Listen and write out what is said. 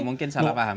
mungkin salah paham